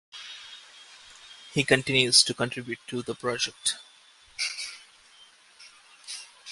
He continues to contribute to the project.